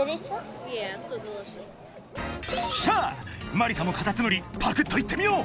まりかもカタツムリぱくっといってみよう！］